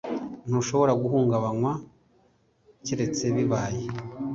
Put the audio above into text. ntushobora guhungabanywa keretse bibaye